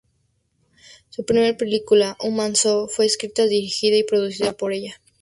Su primera película, "Human Zoo", fue escrita, dirigida y producida por ella.